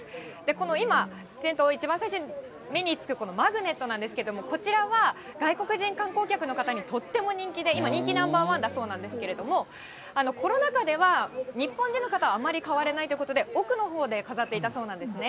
この今、店頭、一番最初に目につくこのマグネットなんですけども、こちらは、外国人観光客の方にとっても人気で、今人気ナンバーワンなんだそうなんですけども、コロナ禍では、日本人の方はあまり買われないということで、奥のほうで飾っていたそうなんですね。